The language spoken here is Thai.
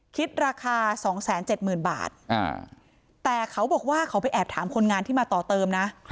คิดราคา๒๗๐๐๐บาทแต่เขาบอกว่าเขาไปแอบถามคนงานที่มาต่อเติมนะ